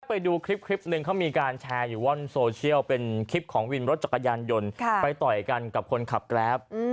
ไปดูคลิปหนึ่งเขามีการแชร์อยู่ว่อนโซเชียลเป็นคลิปของวินรถจักรยานยนต์ไปต่อยกันกับคนขับแกรป